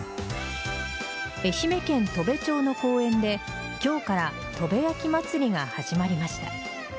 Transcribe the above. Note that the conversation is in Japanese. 愛媛県砥部町の公園で今日から砥部焼まつりが始まりました。